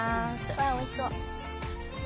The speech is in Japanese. わあおいしそう。